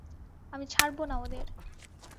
আমি ছাড়বো না ওদের!